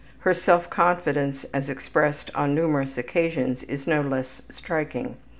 Her self confidence as expressed on numerous occasions is no less striking.